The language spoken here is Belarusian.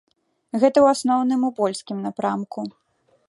Гэта ў асноўным у польскім напрамку.